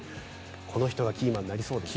この人がキーマンになりそうですね。